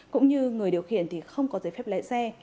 cũng như người điều khiển thì không có giấy phép lái xe